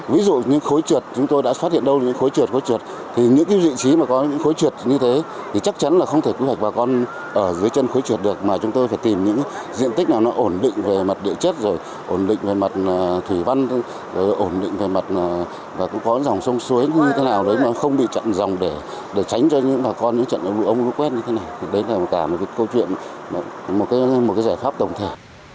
ví dụ như khối trượt chúng tôi đã phát hiện đâu những khối trượt khối trượt thì những cái vị trí mà có những khối trượt như thế thì chắc chắn là không thể cư hoạch bà con ở dưới chân khối trượt được mà chúng tôi phải tìm những diện tích nào nó ổn định về mặt địa chất rồi ổn định về mặt thủy văn ổn định về mặt và cũng có dòng sông suối như thế nào đấy mà không bị chặn dòng để tránh cho những bà con những trận lũ ống lũ quét như thế này đấy là cả một cái câu chuyện một cái giải pháp tổng thể